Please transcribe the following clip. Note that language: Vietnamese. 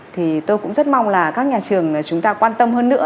thì tôi cũng rất mong là các nhà trường chúng ta quan tâm hơn nữa